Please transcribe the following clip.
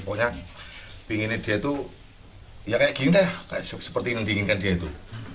pokoknya pinginnya dia itu ya kayak gini deh seperti yang diinginkan dia itu